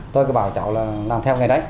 tôi cứ bảo cháu làm theo nghề đấy